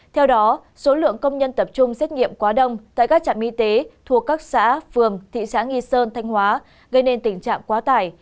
theo đó số lượng công nhân tập trung xét nghiệm quá đông tại các trạm y tế thuộc các xã phường thị xã nghi sơn thanh hóa gây nên tình trạng quá tải